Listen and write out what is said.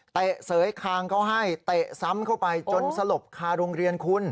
เสยคางเขาให้เตะซ้ำเข้าไปจนสลบคาโรงเรียนคุณ